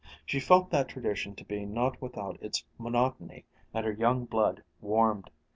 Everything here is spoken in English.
She felt that tradition to be not without its monotony, and her young blood warmed.